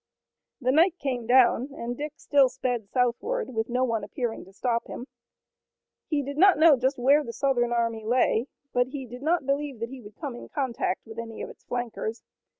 The night came down, and Dick still sped southward with no one appearing to stop him. He did not know just where the Southern army lay, but he did not believe that he would come in contact with any of its flankers.